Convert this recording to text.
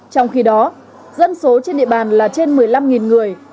trong khi đó dân số trên địa bàn là trên một mươi năm người